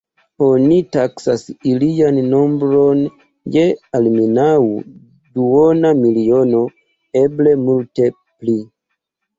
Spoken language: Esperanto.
Oni taksas ilian nombron je almenaŭ duona miliono, eble multe pli.